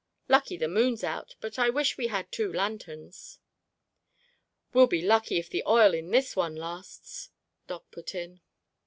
Lucky the moon's out, but I wish we had two lanterns." "We'll be lucky if the oil in this one lasts," Doc put in.